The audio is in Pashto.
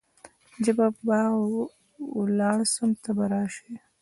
زه به ولاړ سم ته به راسي .